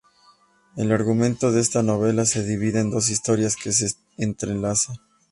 El argumento de esta novela se divide en dos historias que se entrelazan.